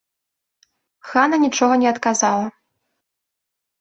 Хана нічога не адказала.